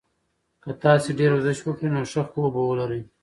که تاسي ډېر ورزش وکړئ نو ښه خوب به ولرئ.